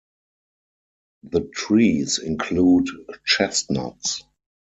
The trees include chestnuts.